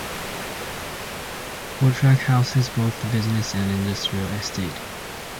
Portrack houses both a business and industrial estate.